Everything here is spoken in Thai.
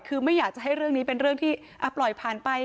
คือไม่อยากจะให้เรื่องนี้เป็นเรื่องที่ปล่อยผ่านไป